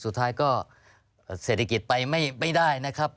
สุดท้ายก็เศรษฐกิจไปไม่ได้นะครับ